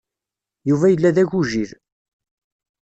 Yuba yella d agujil.